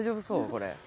これ。